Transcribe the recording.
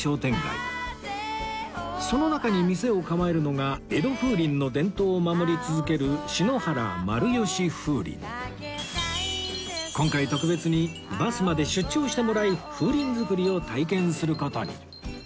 その中に店を構えるのが江戸風鈴の伝統を守り続ける今回特別にバスまで出張してもらい風鈴作りを体験する事に